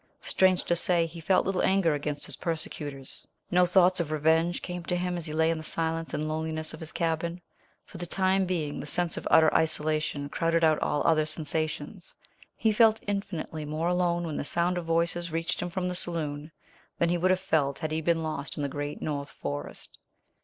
Strange to say he felt little anger against his persecutors. No thoughts of revenge came to him as he lay in the silence and loneliness of his cabin. For the time being the sense of utter isolation crowded out all other sensations. He felt infinitely more alone when the sound of voices reached him from the saloon than he would have felt had he been lost in the great North forest.